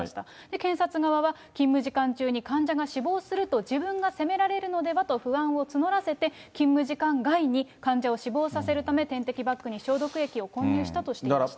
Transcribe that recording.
検察側は、勤務時間中に患者が死亡すると自分が責められるのではと不安を募らせて、勤務時間外に患者を死亡させるため、点滴バッグに消毒液を混入したとしていました。